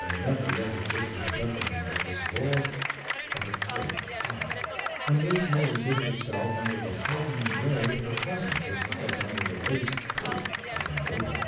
There never yet existed a gentleman but was lord of a great heart. And this may exhibit itself under the hodden gray of the peasant as well as under the laced coat of the noble.